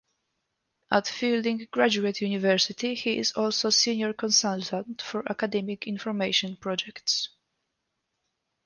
At Fielding Graduate University he is also senior consultant for academic information projects.